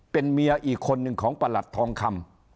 เป็นเมียอีกคนหนึ่งของประหลัดทองคำ